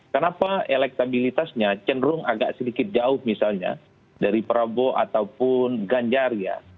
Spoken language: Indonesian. kenapa elektabilitasnya cenderung agak sedikit jauh misalnya dari prabowo ataupun ganjar ya